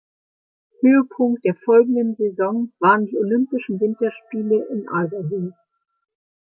Höhepunkt der folgenden Saison waren die Olympischen Winterspiele in Albertville.